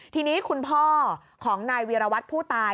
ทีนี้คุณพ่อของนายวีรวัตรผู้ตาย